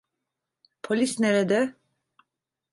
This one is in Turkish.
Polis nerede?